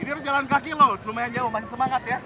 ini harus jalan kaki loh lumayan jauh masih semangat ya